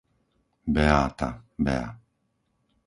Beáta, Bea